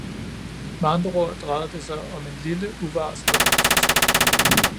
Med andre ord drejede det sig om en lille uvarslet demonstration.